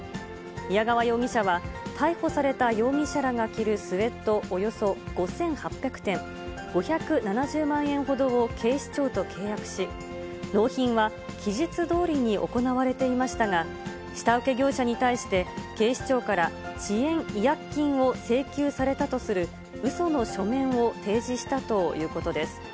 宮川容疑者は、逮捕された容疑者らが着るスエットおよそ５８００点、５７０万円ほどを警視庁と契約し、納品は期日どおりに行われていましたが、下請け業者に対して、警視庁から遅延違約金を請求されたとするうその書面を提示したということです。